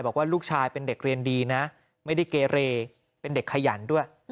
บอกว่าลูกชายเป็นเด็กเรียนดีนะไม่ได้เกเรเป็นเด็กขยันด้วย